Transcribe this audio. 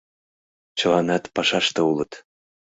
Чыланат пашаште улыт.